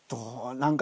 何か。